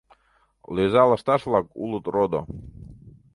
Лӧза лышташ-влак улыт родо.